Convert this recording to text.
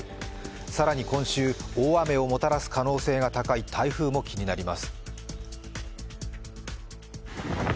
更に今週大雨をもらたす可能性が高い台風も気になります。